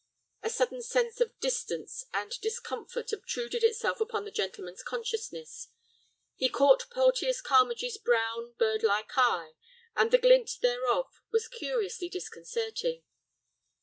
A sudden sense of distance and discomfort obtruded itself upon the gentleman's consciousness. He caught Porteus Carmagee's brown, birdlike eye, and the glint thereof was curiously disconcerting.